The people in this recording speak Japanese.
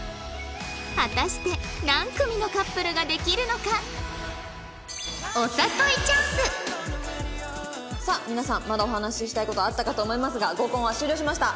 果たしてさあ皆さんまだお話ししたい事あったかと思いますが合コンは終了しました。